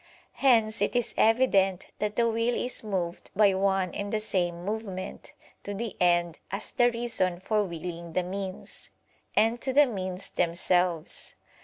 Hence it is evident that the will is moved by one and the same movement, to the end, as the reason for willing the means; and to the means themselves.